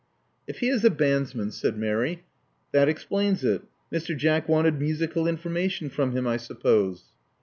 If he is a bandsman," said Mary, that explains it. Mr. Jack wanted musical information from him, I suppose."